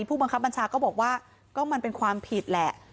ผู้บังคับบัญชาก็บอกว่าก็มันเป็นความผิดแหละ